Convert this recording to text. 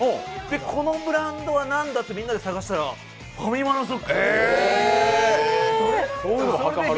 このブランドは何だとみんなで探したらファミマのソックス。